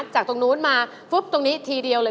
จากตรงนู้นมาฟึ๊บตรงนี้ทีเดียวเลย